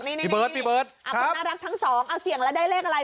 นี่เพราะน่ารักทั้งสองเสี่ยงแล้วได้เลขอะไร